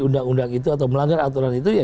undang undang itu atau melanggar aturan itu ya